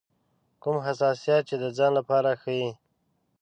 کوم حساسیت چې د ځان لپاره ښيي.